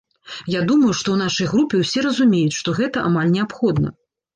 Я думаю, што ў нашай групе ўсе разумеюць, што гэта амаль неабходна.